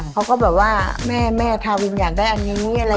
เขาก็แบบว่าแม่ทาวินอยากได้อันนี้อะไรอย่างนี้